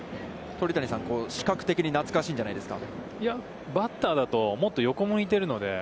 鳥谷さん、視覚的に懐かしいんじゃないですか。